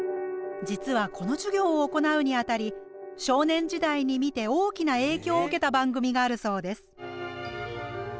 実はこの授業を行うにあたり少年時代に見て大きな影響を受けた番組があるそうです。